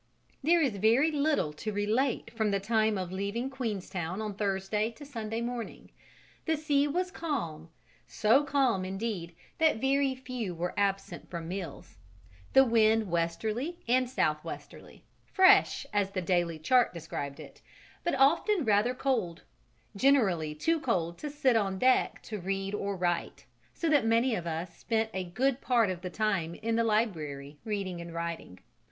There is very little to relate from the time of leaving Queenstown on Thursday to Sunday morning. The sea was calm, so calm, indeed, that very few were absent from meals: the wind westerly and southwesterly, "fresh" as the daily chart described it, but often rather cold, generally too cold to sit out on deck to read or write, so that many of us spent a good part of the time in the library, reading and writing.